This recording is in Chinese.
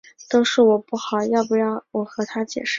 都是我不好，要不要我和她解释下？